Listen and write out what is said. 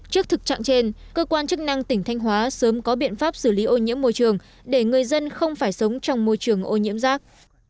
trước thực trạng trên cơ quan chức năng tỉnh thanh hóa sớm có biện pháp xử lý ô nhiễm môi trường để người dân không phải sống trong môi trường ô nhiễm rác